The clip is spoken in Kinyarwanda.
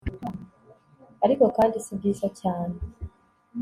ariko kandi si byiza cyane